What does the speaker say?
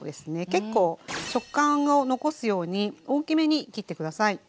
結構食感を残すように大きめに切って下さい。